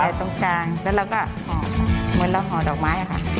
ตรงกลางแล้วเราก็ห่อเหมือนเราห่อดอกไม้อะค่ะ